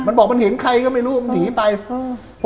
มันบอกมันเห็นใครก็ไม่รู้มันหนีไปอืม